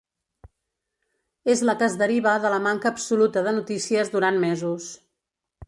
És la que es deriva de la manca absoluta de notícies durant mesos.